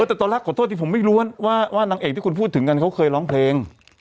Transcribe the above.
แต่ตอนแรกขอโทษที่ผมไม่รู้ว่านางเอกที่คุณพูดถึงกันเขาเคยร้องเพลง